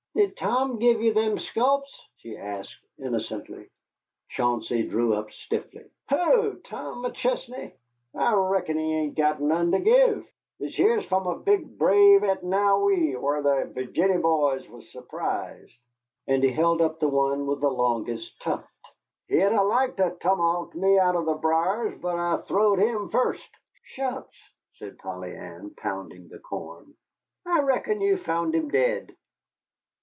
"Did Tom give you them sculps?" she asked innocently. Chauncey drew up stiffly. "Who? Tom McChesney? I reckon he ain't got none to give. This here's from a big brave at Noewee, whar the Virginny boys was surprised." And he held up the one with the longest tuft. "He'd liked to tomahawked me out'n the briers, but I throwed him fust." "Shucks," said Polly Ann, pounding the corn, "I reckon you found him dead."